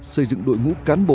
xây dựng đội ngũ cán bộ